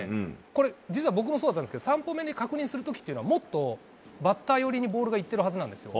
これ、実は僕もそうだったんですけど、３歩目に確認するときっていうのは、もっとバッター寄りにボールがいってるはずなんですよ。